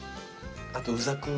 あとうざく。